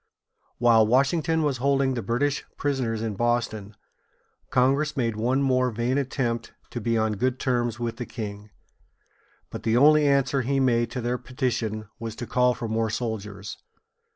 While Washington was holding the British prisoners in Boston, Congress made one more vain attempt to be on good terms with the king. But the only answer he made to their petition was to call for more soldiers.